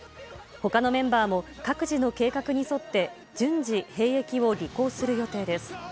ほかのメンバーも、各自の計画に沿って、順次、兵役を履行する予定です。